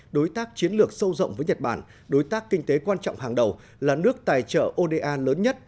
đối tác chiến lược sâu rộng với nhật bản đối tác kinh tế quan trọng hàng đầu là nước tài trợ oda lớn nhất